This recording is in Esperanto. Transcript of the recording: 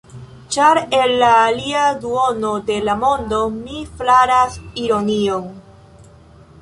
Ĉar el la alia duono de la mondo, mi flaras ironion.